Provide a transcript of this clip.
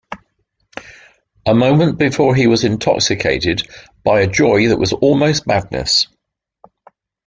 A moment before he was intoxicated by a joy that was almost madness.